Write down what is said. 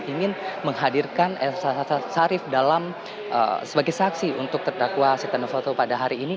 ingin menghadirkan elsa syarif dalam sebagai saksi untuk terdakwa setenovanto pada hari ini